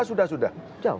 sudah sudah sudah